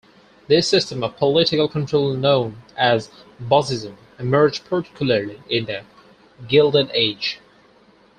This system of political control-known as "bossism"-emerged particularly in the Gilded Age.